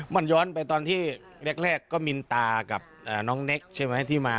มันย้อนไปตอนที่แรกก็มินตากับน้องเน็กใช่ไหมที่มา